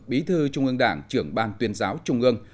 bí thư trung ương đảng trưởng ban tuyên giáo trung ương